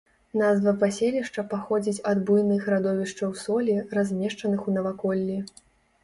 Назва паселішча паходзіць ад буйных радовішчаў солі, размешчаных у наваколлі.